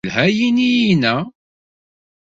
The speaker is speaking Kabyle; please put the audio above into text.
Yelha yini-a?